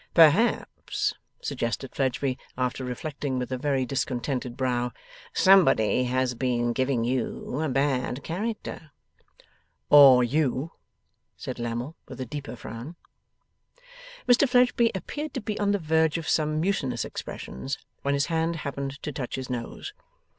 'Perhaps,' suggested Fledgeby, after reflecting with a very discontented brow, 'somebody has been giving you a bad character.' 'Or you,' said Lammle, with a deeper frown. Mr Fledgeby appeared to be on the verge of some mutinous expressions, when his hand happened to touch his nose.